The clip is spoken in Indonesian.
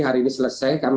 hari ini selesai